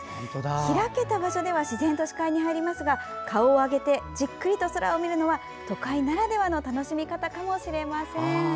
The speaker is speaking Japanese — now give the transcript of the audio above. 開けた場所では自然と視界に入りますが顔を上げてじっくりと空を見るのは都会ならではの楽しみ方かもしれません。